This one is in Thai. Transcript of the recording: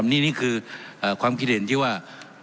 นี่คือความคิดเห็นที่ว่า